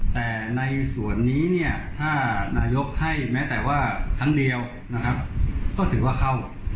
แล้วก็ปล่อยชีวิตการให้มากและกลริบแทนมาได้